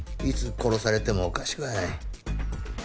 いつ殺されてもおかしくはない。